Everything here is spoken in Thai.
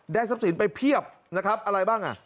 ทรัพย์สินไปเพียบนะครับอะไรบ้างอ่ะ